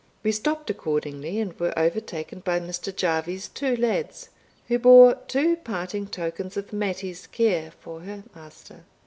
We stopped accordingly, and were overtaken by Mr. Jarvie's two lads, who bore two parting tokens of Mattie's care for her master.